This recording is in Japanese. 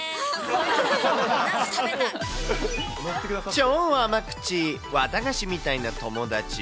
超甘口、綿菓子みたいな友達？